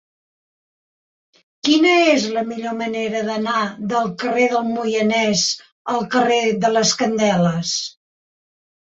Quina és la millor manera d'anar del carrer del Moianès al carrer de les Candeles?